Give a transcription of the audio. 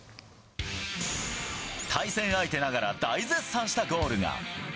対戦相手ながら、大絶賛したゴールが。